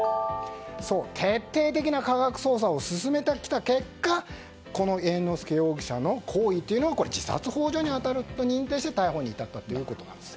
徹底的な科学捜査を進めてきた結果この猿之助容疑者の行為は自殺幇助に当たると認定して逮捕に至ったということなんです。